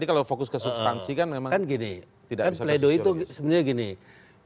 kalau fokus ke substansi kan memang tidak bisa ke sisiologis